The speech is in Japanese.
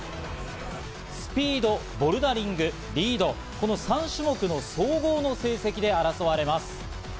スピード、ボルダリング、リード、この３種目の総合の成績で争われます。